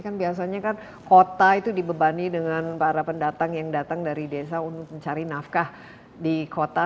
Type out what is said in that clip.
kan biasanya kan kota itu dibebani dengan para pendatang yang datang dari desa untuk mencari nafkah di kota